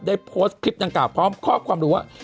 โพสต์คลิปดังกล่าพร้อมข้อความรู้ว่า